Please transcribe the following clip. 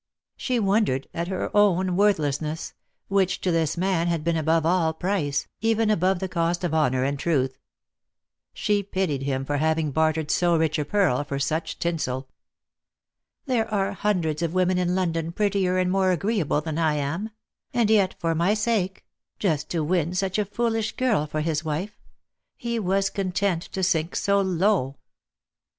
She wondered at her own worthlessness, which to this man had been above all price, even above the cost of honour and truth. She pitied him for having bartered so rich a pearl for auch tinsel. " There are hundreds of women in London prettier and more agreeable than I am ; and yet for my sake — just to win such a foolish girl for his wife — he was content to sink so low